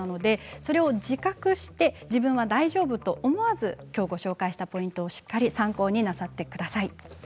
それを自覚して自分は大丈夫と思わずきょうご紹介したポイントをしっかり参考になさってください。